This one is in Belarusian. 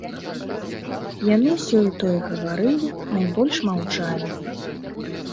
Яны сёе-тое гаварылі, найбольш маўчалі.